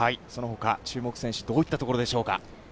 そのほか注目選手、どういったところでしょうか？